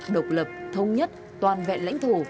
độc lập thông nhất toàn vẹn lãnh thổ